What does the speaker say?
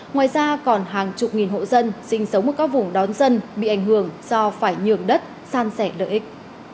ngoài ra còn hàng chục nghìn hộ dân sinh sống ở các vùng đón dân bị ảnh hưởng do phải nhường đất san sẻ lợi ích